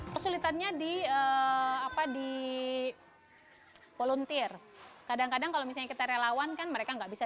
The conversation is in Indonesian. kesulitannya di apa di volunteer kadang kadang kalau misalnya kita relawan kan mereka nggak bisa